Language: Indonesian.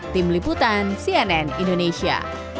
tim liputan cnn indonesia